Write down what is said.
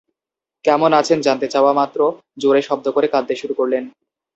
কেমন আছেন, জানতে চাওয়া মাত্র জোরে শব্দ করে কাঁদতে শুরু করলেন।